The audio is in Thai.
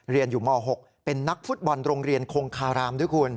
เรียนอยู่ม๖เป็นนักฟุตบอลโรงเรียนคงคารามด้วยคุณ